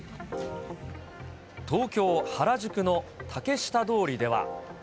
東京・原宿の竹下通りでは。